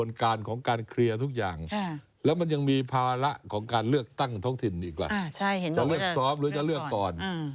จะเลือกซ้อมหรือจะเลือกก่อน